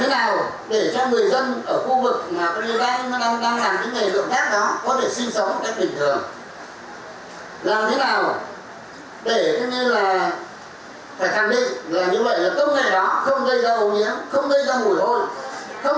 làm thế nào để cho người dân ở khu vực mà công nghệ đang làm những nghề lượng khác đó có thể sinh sống một cách bình thường